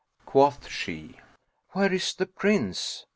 Quoth she, "Where is the Prince?"